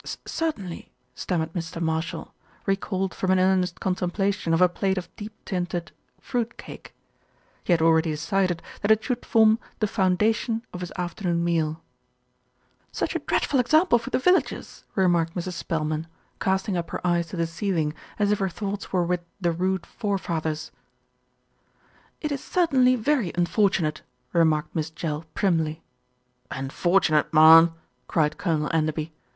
"Er er certainly," stammered Mr. Marshall, re called from an earnest contemplation of a plate of deep tinted fruit cake. He had already decided that it should form the foundation of his afternoon meal. "Such a dreadful example for the villagers," re 110 THE RETURN OF ALFRED marked Mrs. Spelman, casting up her eyes to the ceil ing, as if her thoughts were with "the rude fore fathers." "It is certainly very unfortunate," remarked Miss Jell primly. "Unfortunate, marm!" cried Colonel Enderby.